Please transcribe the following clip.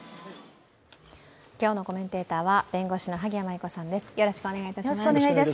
今日のコメンテーターは弁護士の萩谷麻衣子さんです。